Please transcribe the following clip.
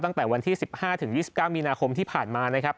ตั้งแต่วันที่๑๕๒๙มีนาคมที่ผ่านมานะครับ